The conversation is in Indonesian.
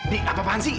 dek apa apaan sih